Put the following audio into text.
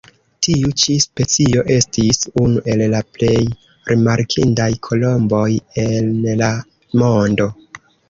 Tiu ĉi specio estis unu el la plej rimarkindaj kolomboj en la mondo.